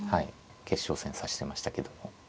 決勝戦指してましたけども。